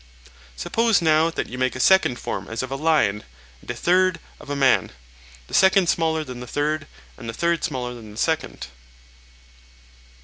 Suppose now that you make a second form as of a lion, and a third of a man, the second smaller than the first, and the third smaller than the second.